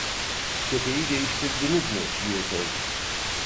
Köpeği değiştirdiniz mi? diye sordum.